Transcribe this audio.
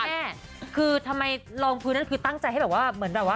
แม่คือทำไมรองพื้นนั่นคือตั้งใจให้แบบว่าเหมือนแบบว่า